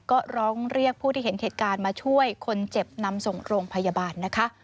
ก็ร้องเรียกผู้ที่เห็นเหตุการณ์มาช่วยคนเจ็บนำส่งโรงพยาบาลนะคะ